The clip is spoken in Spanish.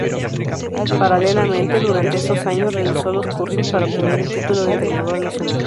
Paralelamente, durante estos años realizó los cursos para obtener el título de entrenador nacional.